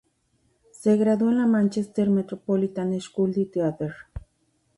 Se graduó en la Manchester Metropolitan School of Theatre.